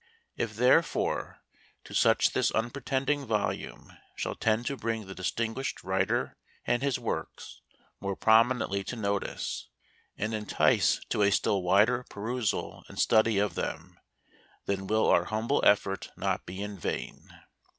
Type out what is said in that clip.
If, therefore, to such this unpretending volume shall tend to bring the distinguished writer and his Works more prominently to notice, and en tice to a still wider perusal and study of them, then will our humble effort not be in vain.